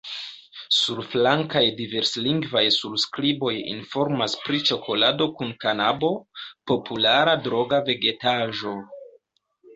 Surflankaj diverslingvaj surskriboj informas pri ĉokolado kun kanabo – populara droga vegetaĵo.